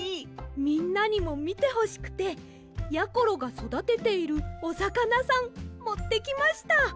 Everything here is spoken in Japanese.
みんなにもみてほしくてやころがそだてているおさかなさんもってきました。